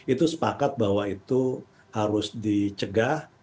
itu sepakat bahwa itu harus dicegah